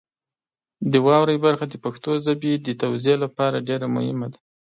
د واورئ برخه د پښتو ژبې د توزیع لپاره ډېره مهمه ده.